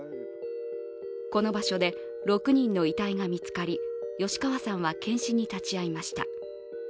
この場所で６人の遺体が見つかり、吉川さんは検視に立ち会いました。